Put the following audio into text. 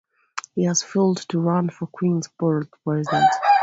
He has filed to run for Queens Borough President.